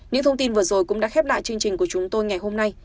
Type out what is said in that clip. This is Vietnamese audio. những thông tin vừa rồi cũng đã khép lại chương trình của chúng tôi ngày hôm nay